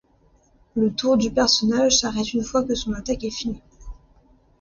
Le tour du personnage s'arrête une fois que son attaque est fini.